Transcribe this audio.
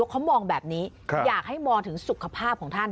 เขามองแบบนี้อยากให้มองถึงสุขภาพของท่าน